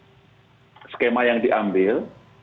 kemudian skema yang diambil